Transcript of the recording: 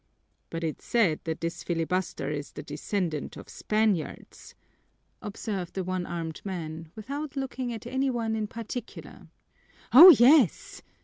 "But it's said that this filibuster is the descendant of Spaniards," observed the one armed man, without looking at any one in particular. "Oh, yes!"